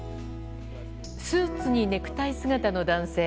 スーツにネクタイ姿の男性。